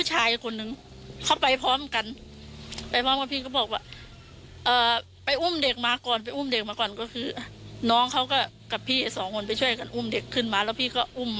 เจ้าเพิ่ม